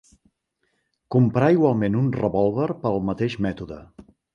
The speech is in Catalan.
Comprà igualment un revòlver pel mateix mètode.